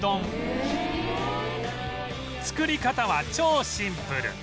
作り方は超シンプル